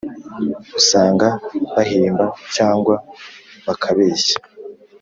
usanga bahimba cyangwa bakabeshya